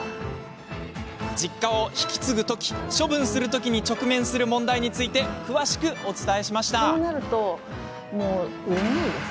実家を引き継ぐ時処分する時に直面する問題について詳しくお伝えしました。